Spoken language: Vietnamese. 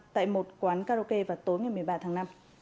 tại một quán karaoke vào tối ngày một mươi ba tháng năm